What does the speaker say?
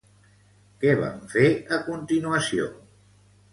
Què van fer a continuació?